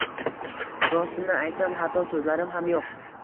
Rostini aytsam, hatto so'zlarim ham yo'q